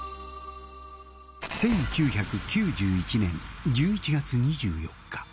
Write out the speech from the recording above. １９９１年１１月２４日